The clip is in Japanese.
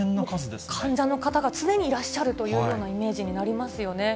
患者の方が常にいらっしゃるというようなイメージになりますよね。